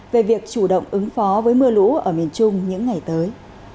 về việc chủ động ứng phó với mưa lũ ở miền trung những ngày tới